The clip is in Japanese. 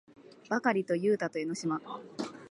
ばかりとゆうたと江の島